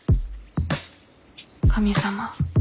神様。